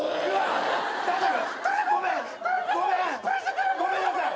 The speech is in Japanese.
ごめんごめんごめんなさい。